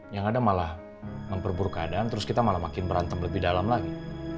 yang ada malah memperburuk keadaan terus kita malah makin berantem lebih dalam lagi